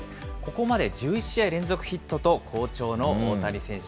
ここまで１１試合連続ヒットと好調の大谷選手。